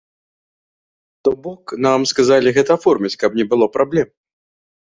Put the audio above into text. То бок нам сказалі гэта аформіць, каб не было праблем.